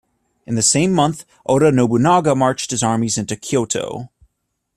In the same month, Oda Nobunaga marched his armies into Kyoto.